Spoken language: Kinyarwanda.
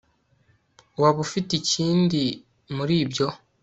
waba ufite ikindi muri ibyo